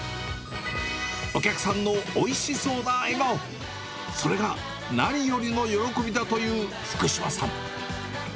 お客さんのおいしそうな笑顔、それが何よりの喜びだという福島さん。